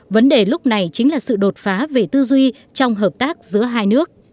vấn đề lúc này chính là sự đột phá về tư duy trong hợp tác giữa hai nước